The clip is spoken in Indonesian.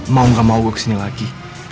mau gak mau gue kesini lagi